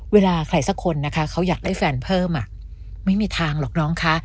เวลาใครสักคนนะคะเขาอยากได้แฟนเพิ่มไม่มีทางหรอกน้องคะ